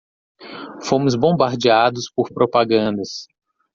Fomos bombardeados por propagandas